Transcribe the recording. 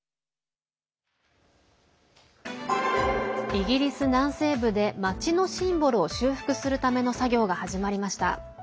イギリス南西部で町のシンボルを修復するための作業が始まりました。